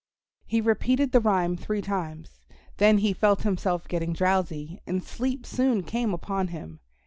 He repeated the rhyme three times. Then he felt himself getting drowsy and sleep soon came upon him.